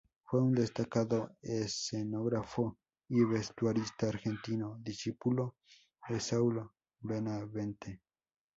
Fue un destacado escenógrafo y vestuarista argentino, discípulo de Saulo Benavente.